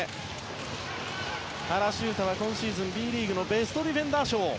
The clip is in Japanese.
原修太は今シーズンＢリーグのベストディフェンダー賞。